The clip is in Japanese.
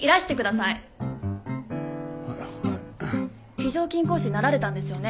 非常勤講師になられたんですよね。